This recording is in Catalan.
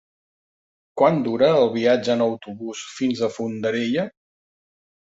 Quant dura el viatge en autobús fins a Fondarella?